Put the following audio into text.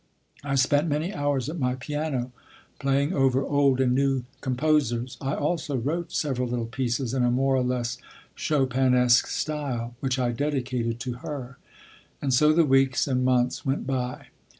I spent many hours at my piano, playing over old and new composers. I also wrote several little pieces in a more or less Chopinesque style, which I dedicated to her. And so the weeks and months went by.